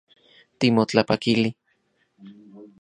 Timotlapakili